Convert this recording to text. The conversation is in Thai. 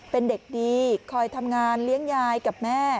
เป็นเด็กดีคอยทำงานเลี้ยงยายกับแม่